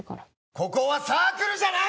ここはサークルじゃない！